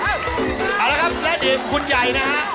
เอาละครับและอดีตคุณใหญ่นะฮะ